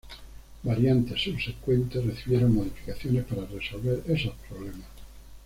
Variantes subsecuentes recibieron modificaciones para resolver esos problemas.